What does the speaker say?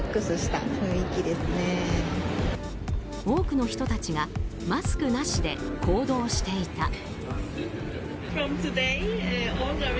多くの人たちがマスクなしで行動していた。